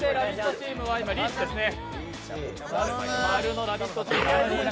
チームはリーチですね。